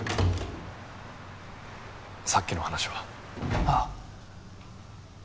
さっきの話は？ああ。